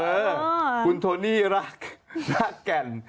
เออคุณโทนี่รักรักแก่น